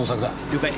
了解！